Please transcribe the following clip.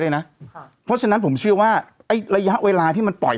เลยนะเพราะฉะนั้นผมเชื่อว่าไอ้ระยะเวลาที่มันปล่อย